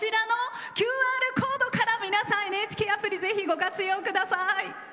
ＱＲコードから皆さんＮＨＫアプリご活用ください。